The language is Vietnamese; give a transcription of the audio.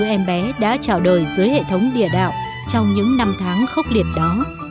bốn mươi em bé đã trào đời dưới hệ thống địa đạo trong những năm tháng khốc liệt đó